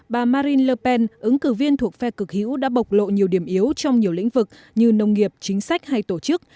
bà marine lpen ứng cử viên thuộc phe cực hữu đã bộc lộ nhiều điểm yếu trong nhiều lĩnh vực như nông nghiệp chính sách hay tổ chức